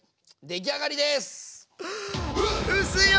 出来上がりです！